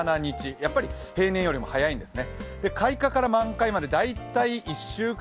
やっぱり平年よりも早いんですね。